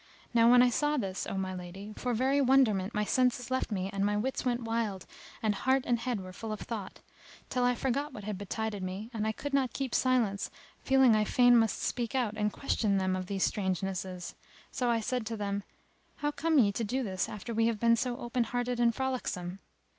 Now when I saw this, O my lady, for very wonderment my senses left me and my wits went wild and heart and head were full of thought, till I forgot what had betided me and I could not keep silence feeling I fain must speak out and question them of these strangenesses; so I said to them, "How come ye to do this after we have been so open hearted and frolicksome?